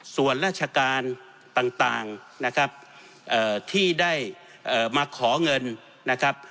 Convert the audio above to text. ส่วนราชการต่างต่างนะครับเอ่อที่ได้เอ่อมาขอเงินนะครับ